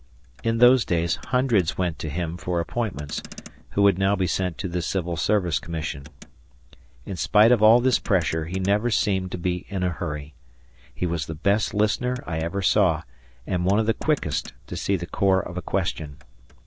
In those days hundreds went to him for appointments, who would now be sent to the Civil Service Commission. In spite of all this pressure, he never seemed to be in a hurry. He was the best listener I ever saw, and one of the quickest to see the core of a question.